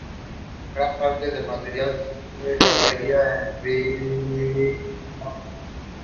The sentence was on the basis of absolute primogeniture.